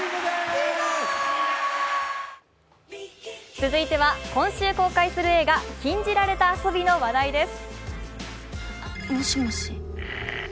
続いては、今週公開する映画「禁じられた遊び」の話題です。